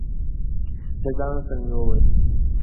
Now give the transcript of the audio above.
له ځانه سره مې وويل: